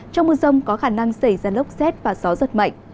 trong mưa rông có khả năng xảy ra lốc xét và gió giật mạnh